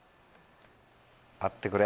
あってくれ。